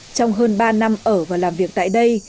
trong hơn ba năm ở và làm việc tại đây